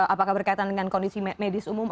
apakah berkaitan dengan kondisi medis umum